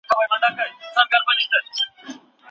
هیج هاګ 🦔